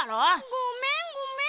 ごめんごめん。